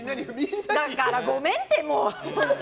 だからごめんって、もう。